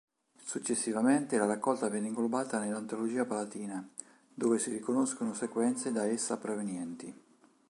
Successivamente la raccolta venne inglobata nell"'Antologia Palatina", dove si riconoscono sequenze da essa provenienti.